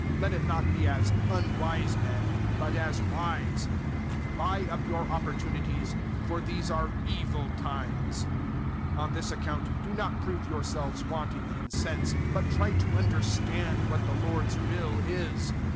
Let it not be as unwise men, but as wise. 005:016 Buy up your opportunities, for these are evil times. 005:017 On this account do not prove yourselves wanting in sense, but try to understand what the Lord's will is.